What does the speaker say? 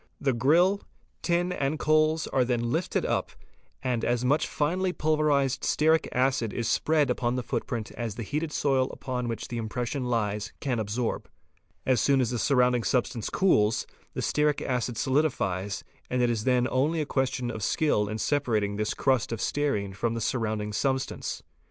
'The grill, tin, and coals, are then lifted up and as much finely pulverized stearic acid is spread upon the footprint as the heated soil upon which the impression lies can absorb. As soon as the surrounding substance cools, the stearic acid solidifies and it is then only a question of skill in separating this crust of stearine from the surrounding substance.